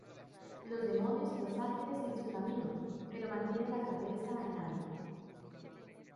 Los demonios y los ángeles en su camino, pero mantiene la cabeza en alto.